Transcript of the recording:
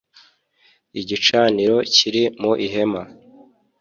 Igicaniro kiri mu ihema.